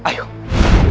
kita harus segera kesini